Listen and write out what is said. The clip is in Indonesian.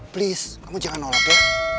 please kamu jangan nolak ya